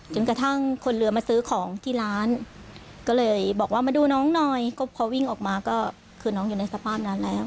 จนกระทั่งคนเรือมาซื้อของที่ร้านก็เลยบอกว่ามาดูน้องหน่อยก็พอวิ่งออกมาก็คือน้องอยู่ในสภาพนั้นแล้ว